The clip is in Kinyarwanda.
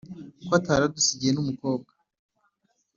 ko atari adusigiye n'umukobwa,